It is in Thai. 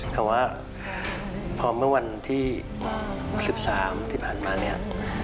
แต่ว่าพอเมื่อวันที่๑๓ที่ผ่านมาเนี่ย